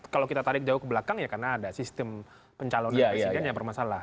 kalau kita tarik jauh ke belakang ya karena ada sistem pencalonan presiden yang bermasalah